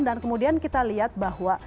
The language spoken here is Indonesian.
dan kemudian kita lihat bahwa